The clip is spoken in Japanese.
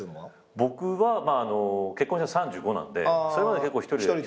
僕は結婚したの３５なんでそれまで結構１人で。